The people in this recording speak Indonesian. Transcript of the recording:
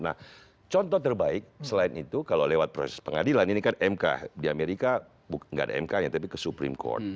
nah contoh terbaik selain itu kalau lewat proses pengadilan ini kan mk di amerika nggak ada mk nya tapi ke supreme court